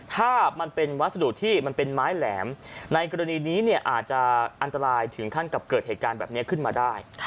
ถ้ามันเป็นวัสดุที่มันเป็นไม้แหลมในกรณีนี้อาจจะอันตรายถึงขั้นกับเกิดเหตุการณ์แบบนี้ขึ้นมาได้